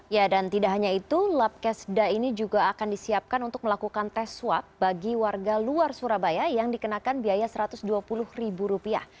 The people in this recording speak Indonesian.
ya dan tidak hanya itu labkesda ini juga akan disiapkan untuk melakukan tes swab bagi warga luar surabaya yang dikenakan biaya satu ratus dua puluh ribu rupiah